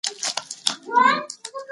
پاڼه له نورو تویو شوو پاڼو سره توپیر لري.